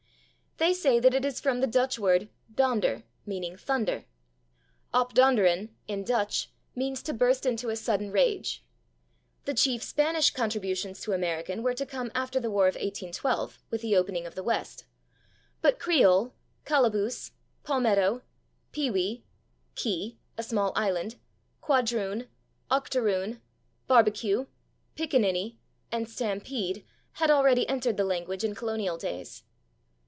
They say that it is from the Dutch word /donder/ (=/thunder/). /Op donderen/, in Dutch, means to burst into a sudden rage. The chief Spanish contributions to American were to come after the War of 1812, with the opening of the West, but /creole/, /calaboose/, /palmetto/, /peewee/, /key/ (a small island), /quadroon/, /octoroon/, /barbecue/, /pickaninny/ and /stampede/ had already entered the language in colonial days.